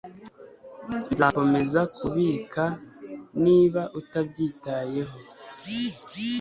nzakomeza kubika niba utabyitayeho